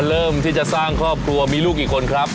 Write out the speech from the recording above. เริ่มที่จะสร้างครอบครัวมีลูกกี่คนครับ